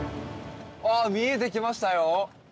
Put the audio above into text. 見えてきましたよ。